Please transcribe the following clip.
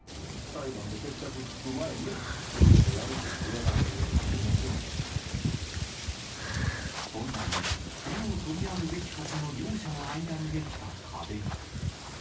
裁判で決着つく前に、こういうことをやるというのは、本来、手を取り合うべきはずの両者の間に出来た壁。